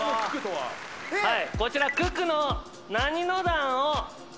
はい。